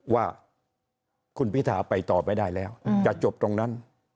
ว่าคุณพิธาไปต่อไม่ได้แล้วจะจบตรงนั้น